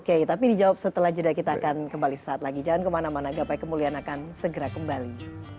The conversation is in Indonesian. key tapi dijawab setelah jeda kita akan kembali saat lagi jalan kemana mana gapai kemuliaan akan